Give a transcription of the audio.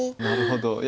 なるほど。